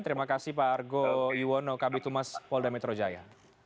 terima kasih pak argo iwono kabitumas polda metro jaya